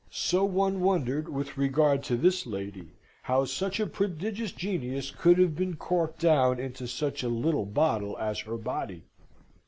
So one wondered with regard to this lady, how such a prodigious genius could have been corked down into such a little bottle as her body.